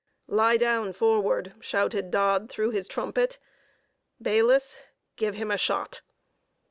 "Lie down forward!" shouted Dodd, through his trumpet. "Bayliss, give him a shot."